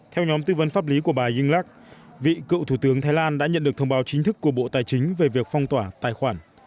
theo nhóm tư vấn pháp lý của bà ynglak vị cựu thủ tướng thái lan đã nhận được thông báo chính thức của bộ tài chính về việc phong tỏa tài khoản